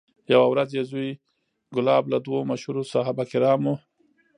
یوه ورځ یې زوی کلاب له دوو مشهورو صحابه کرامو